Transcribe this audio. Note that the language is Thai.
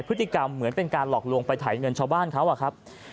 พฤติกรรมเหมือนเป็นการหลอกลวงไปถ่ายเงินชาวบ้านเขา